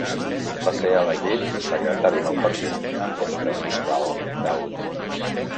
Va ser elegit secretari del partit en comptes d'Al-Daud.